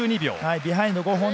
ビハインド５本。